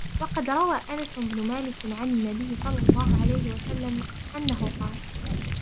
وَقَدْ رَوَى أَنَسُ بْنُ مَالِكٍ عَنْ النَّبِيِّ صَلَّى اللَّهُ عَلَيْهِ وَسَلَّمَ أَنَّهُ قَالَ